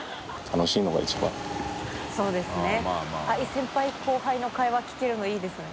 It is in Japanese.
先輩後輩の会話聞けるのいいですね。